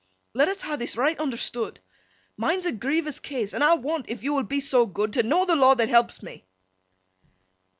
Let us ha' this, right understood. Mine's a grievous case, an' I want—if yo will be so good—t' know the law that helps me.